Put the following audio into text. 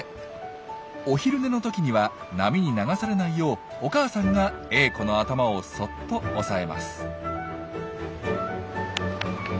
お昼寝の時には波に流されないようお母さんがエーコの頭をそっと押さえます。